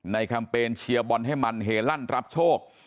ในคำเป็นเชียร์บอลให้หมั่นเหล่านรับโชค